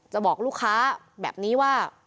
บอกลูกค้าแบบนี้ว่า